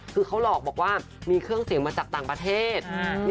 คือเขาหลอกบอกว่ามีเครื่องเสียงมาจากต่างประเทศ